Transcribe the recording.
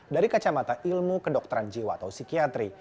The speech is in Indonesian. dari kacamata ilmu kedokteran jiwa atau psikiatri